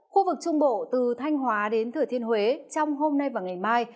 khu vực trung bộ từ thanh hóa đến thửa thiên huế trong hôm nay và ngày mai